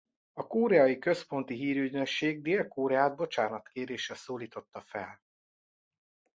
A Koreai Központi Hírügynökség Dél-Koreát bocsánatkérésre szólította fel.